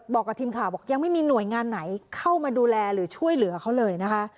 บอกกับทีมข่าวบอกยังไม่มีหน่วยงานไหนเข้ามาดูแลหรือช่วยเหลือเขาเลยนะคะ